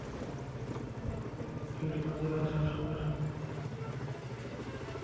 ভুয়া বিলের বিষয়টি নজরে আসার সঙ্গে সঙ্গে টাকা ফেরত দেওয়ার চিঠি দিয়েছি।